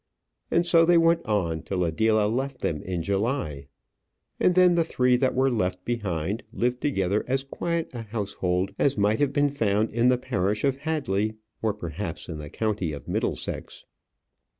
And so they went on till Adela left them in July; and then the three that were left behind lived together as quiet a household as might have been found in the parish of Hadley, or perhaps in the county of Middlesex.